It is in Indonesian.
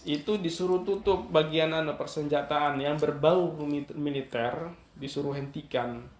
itu disuruh tutup bagian persenjataan yang berbau militer disuruh hentikan